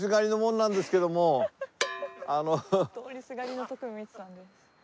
通りすがりの徳光さんです。